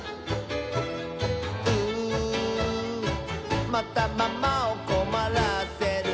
「うーまたママをこまらせる」